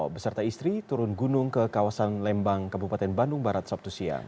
beserta istri turun gunung ke kawasan lembang kabupaten bandung barat sabtu siang